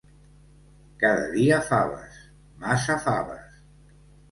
Cada dia faves, massa faves.